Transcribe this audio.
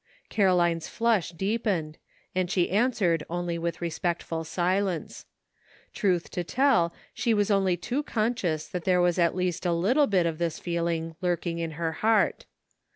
Caroline's flush deepened, and she answered only with respectful silence. Truth to tell, she was only too conscious that there was at least a little bit of this feeUno lurking in her heart.